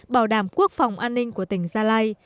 bảo đảm quốc phòng an ninh của tỉnh gia lai